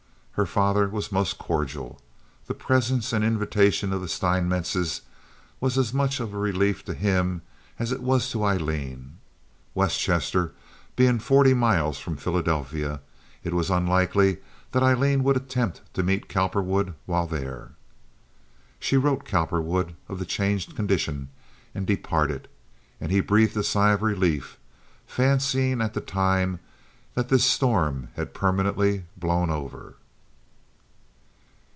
Her father was most cordial. The presence and invitation of the Steinmetzes was as much a relief to him as it was to Aileen. West Chester being forty miles from Philadelphia, it was unlikely that Aileen would attempt to meet Cowperwood while there. She wrote Cowperwood of the changed condition and departed, and he breathed a sigh of relief, fancying at the time that this storm had permanently blown over.